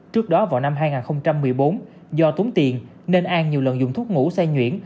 trước đó vào năm hai nghìn một mươi bốn do tốn tiền nên an nhiều lần dùng thuốc ngủ say nhuyễn